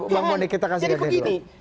bang bonny kita kasih lihat dulu